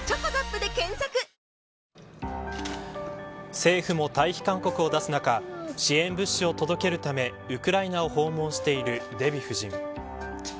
政府も退避勧告を出す中支援物資を届けるためウクライナを訪問しているデヴィ夫人。